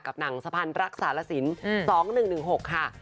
หนังสะพานรักษาลสิน๒๑๑๖ค่ะ